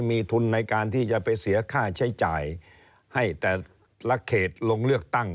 มีทุนในการที่จะไปเสียค่าใช้จ่ายให้แต่ละเขตลงเลือกตั้ง